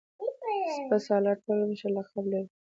سپه سالار ټول مشر لقب لري.